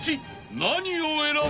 何を選ぶ？］